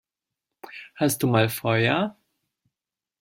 Hast du mal Feuer?